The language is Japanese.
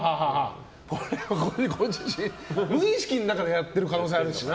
これ、無意識の中でやってる可能性もあるしな。